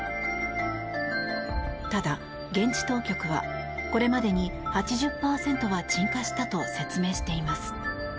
ただ現地当局はこれまでに８０％は鎮火したと説明しています。